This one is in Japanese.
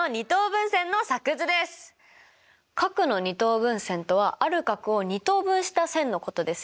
角の二等分線とはある角を二等分した線のことですよ。